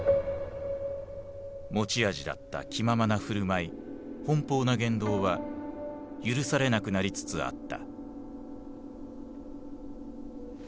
持ち味だった気ままな振る舞い奔放な言動は許されなくなりつつあった。